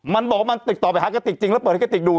มันบอกว่ามันติดต่อไปหากระติกจริงแล้วเปิดให้กระติกดู